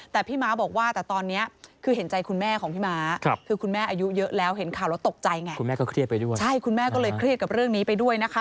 แต่พี่ม้าบอกว่าแต่ตอนนี้